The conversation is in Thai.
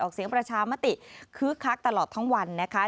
เสียงประชามติคึกคักตลอดทั้งวันนะคะ